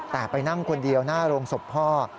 แต่ไปนั่งคนเดียวหน้าโรงศพพ่อ